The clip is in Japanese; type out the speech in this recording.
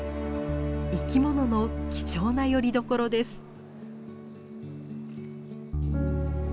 生き物の貴重なよりどころです。